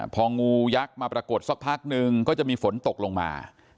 พองูยักษ์มาปรากฏสักพักนึงก็จะมีฝนตกลงมา